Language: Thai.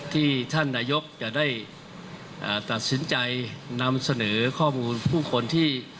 ที่ท่านนายกจะได้ตัดสินใจนำเสนอข้อมูลผู้คนที่